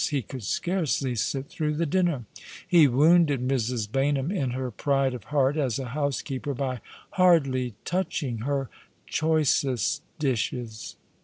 lie could scarcely sit through the dinner. He wounded Mrs. Baynham in her pride of heart as a housekeeper by hardly touching her choicest dishes.